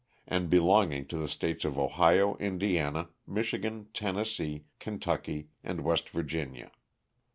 and belonging to the States of Ohio, Indi ana, Michigan, Tennessee, Kentucky, and West Vir ginia.